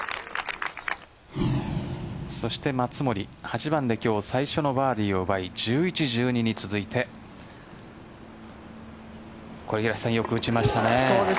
そして松森８番で今日最初のバーディーを奪い１１、１２に続いてよく打ちましたね。